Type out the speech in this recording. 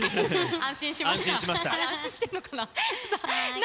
安心してるのかな。